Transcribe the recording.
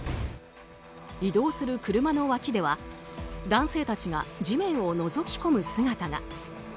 移動する車の脇では男性たちが地面をのぞき込む姿が。